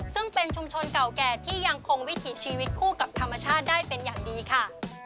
ซึ่งเป็นชุมชนเก่าแก่ที่ยังคงวิถีชีวิตคู่กับธรรมชาติได้เป็นอย่างดีค่ะ